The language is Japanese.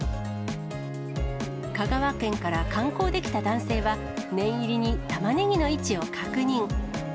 香川県から観光で来た男性は、念入りにたまねぎの位置を確認。